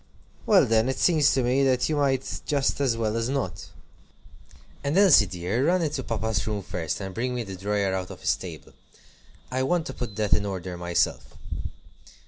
"Well, then it seems to me that you might just as well as not. And Elsie, dear, run into papa's room first, and bring me the drawer out of his table. I want to put that in order myself."